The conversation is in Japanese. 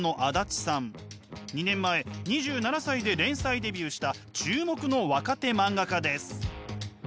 ２年前２７歳で連載デビューした注目の若手漫画家です。